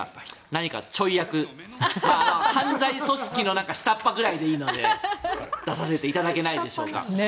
何かちょい役犯罪組織の下っ端ぐらいでいいので出させていただけないでしょうか。